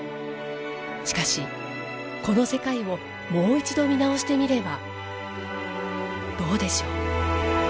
しかし、この世界をもう一度、見直してみればどうでしょう？